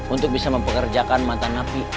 untuk bisa mempekerjakan mantan napi